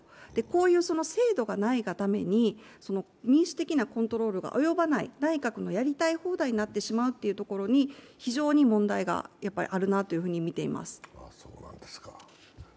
こういう制度がないがために民主的なコントロールが及ばない、内閣のやりたい放題になってしまうというところに非常に問題があるなと見ています。